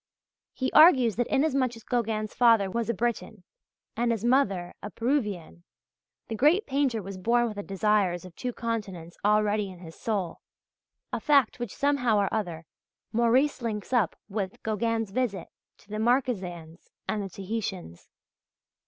He argues that inasmuch as Gauguin's father was a Breton and his mother a Péruvienne, the great painter was born with the desires of two continents already in his soul a fact which somehow or other Morice links up with Gauguin's visit to the Marquesans and the Tahitans.